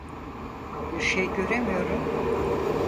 Bir şey göremiyorum!